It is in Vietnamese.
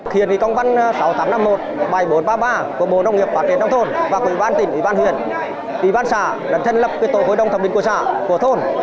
hiện thì công văn sáu nghìn tám trăm năm mươi một bảy nghìn bốn trăm ba mươi ba của bộ nông nghiệp phát triển đông thôn và của ủy ban tỉnh ủy ban huyện ủy ban xã đã thân lập cái tội hội đồng thẩm định quốc xã của thôn